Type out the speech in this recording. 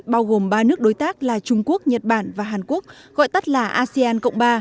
bao gồm ba nước đối tác là trung quốc nhật bản và hàn quốc gọi tắt là asean cộng ba